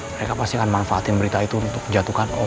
mereka pasti akan manfaatin berita itu untuk jatuhkan om